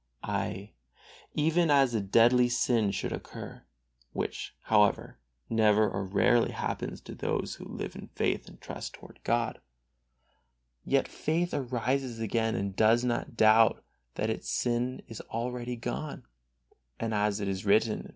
Aye, even if a deadly sin should occur (which, however, never or rarely happens to those who live in faith and trust toward God), yet faith rises again and does not doubt that its sin is already gone; as it is written I.